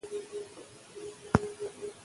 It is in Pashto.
د نړۍ ټولې ژبې به اسانې وي؛